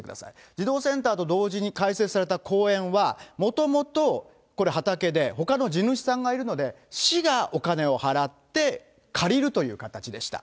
児童センターと同時に開設された公園は、もともとこれ畑で、ほかの地主さんがいるので、市がお金を払って借りるという形でした。